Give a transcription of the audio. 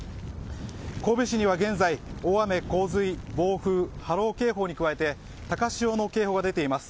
神戸市には現在、大雨・洪水暴風・波浪警報に加えて高潮の警報が出ています。